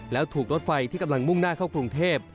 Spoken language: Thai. แล้วถูกรถไฟที่กำลังมุ่งหน้าเข้ากรุงเทพ